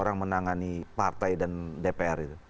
orang menangani partai dan dpr itu